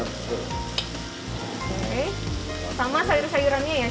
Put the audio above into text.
oke sama sayur sayurannya ya chef